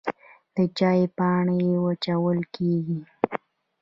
د چای پاڼې وچول کیږي